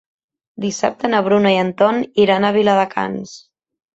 Dissabte na Bruna i en Ton iran a Viladecans.